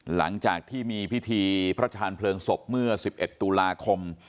หลังจากที่มีพิธีพระทานเพลิงศพเมื่อ๑๑ตุลาคม